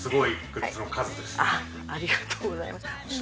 ありがとうございます。